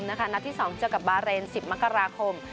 นัดที่๒เจอกับบาเรน๑๐มกราคม